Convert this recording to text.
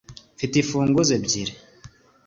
mfite imfunguzo ebyiri.